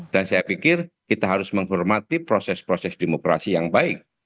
dan saya pikir kita harus menghormati proses proses demokrasi yang baik